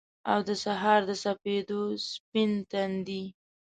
او دسهار دسپیدو ، سپین تندی